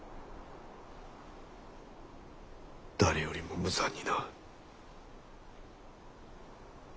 誰よりも無残にな。